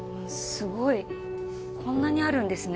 すごいこんなにあるんですね